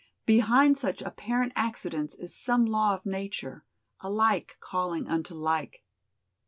Behind such apparent accidents is some law of nature, a like calling unto like.